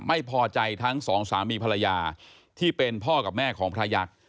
ไม่พอใจทั้งสองสามีภรรยาที่เป็นพ่อกับแม่ของพระยักษ์